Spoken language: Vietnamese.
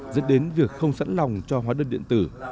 dẫn đến việc không sẵn lòng cho hóa đơn điện tử